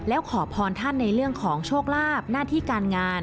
แล้วขอพรท่านในเรื่องของโชคลาภหน้าที่การงาน